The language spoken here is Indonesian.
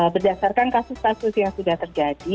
berdasarkan kasus kasus yang sudah terjadi